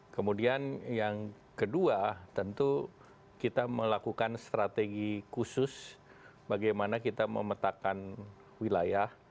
kemudian yang kedua tentu kita melakukan strategi khusus bagaimana kita memetakan wilayah